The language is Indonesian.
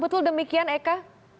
betul demikian eka